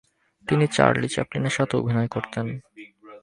তিনি চার্লি চ্যাপলিনের সাথে অভিনয় করতেন।